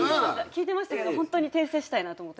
聞いてましたけどホントに訂正したいなと思って。